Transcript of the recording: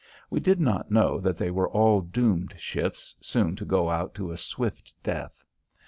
We did not know that they were all doomed ships, soon to go out to a swift death.